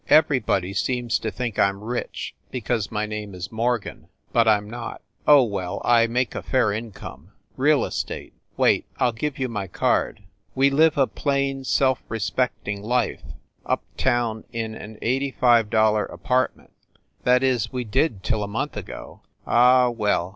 Everybody seems to think I m rich, because my name is Morgan, but I m not. Oh, well, I make a fair income. Real estate. Wait I ll give you my card. We live a plain, self respecting life up town in an $85 apartment that is, we did, till a month ago. Ah, well